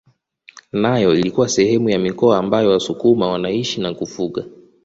Nayo ilikuwa sehemu ya mikoa ambayo wasukuma wanaishi na kufuga